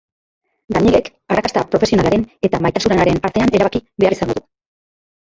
Danielek arrakasta profesionalaren eta maitasunaren artean erabaki behar izango du.